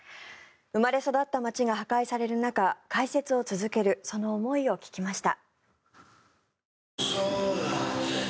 生まれ育った街が破壊される中解説を続けるその思いを聞きました。